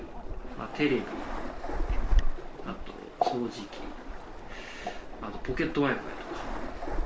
テレビ、あと掃除機、あとポケットＷｉ−Ｆｉとか。